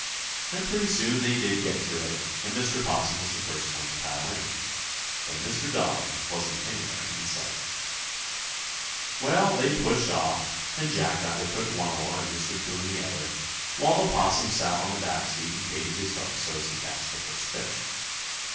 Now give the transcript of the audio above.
And pretty soon they did get to it, and Mr. 'Possum was the first one to pile in, though Mr. Dog wasn't anywhere in sight. Well, they pushed off and Jack Rabbit took one oar and Mr. 'Coon the other, while the 'Possum sat on the back seat and baited his hook so's to catch the first fish.